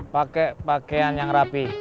pakai pakaian yang rapi